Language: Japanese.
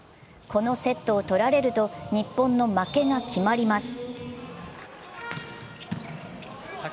このセットを取られると、日本の負けが決まります。